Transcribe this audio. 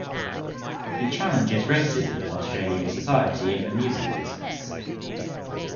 He challenges racism in Australian society and the music business.